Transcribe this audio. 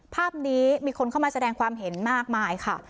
ภาพนี้มีคนเข้ามาแสดงความเห็นมากมายค่ะ